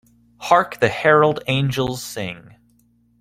Hark the Herald Angels sing.